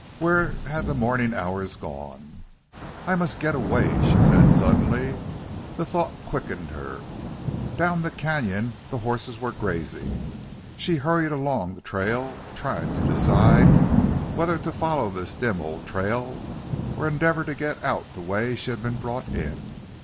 Where had the morning hours gone? "I must get away," she said, suddenly. The thought quickened her. Down the canon the horses were grazing. She hurried along the trail, trying to decide whether to follow this dim old trail or endeavor to get out the way she had been brought in.